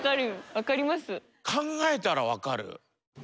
考えたらわかる？